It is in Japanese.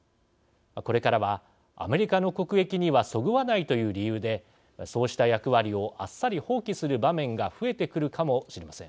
これからはアメリカの国益にはそぐわないという理由でそうした役割をあっさり放棄する場面が増えてくるかもしれません。